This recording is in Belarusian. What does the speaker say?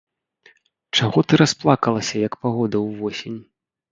Чаго ты расплакалася, як пагода ўвосень?